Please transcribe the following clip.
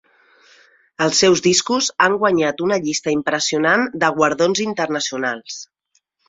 Els seus discos han guanyat una llista impressionant de guardons internacionals.